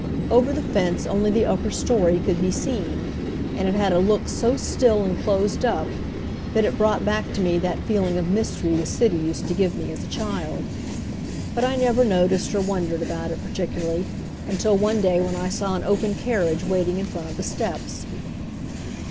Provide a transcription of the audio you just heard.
Over the fence only the upper story could be seen, and it had a look so still and closed up, that it brought back to me that feeling of mystery the city used to give me as a child. But I never noticed or wondered about it particularly until one day when I saw an open carriage waiting in front of the steps.